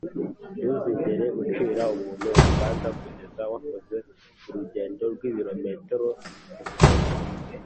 ntuzigere ucira umuntu urubanza kugeza wakoze urugendo rw'ibirometero mukweto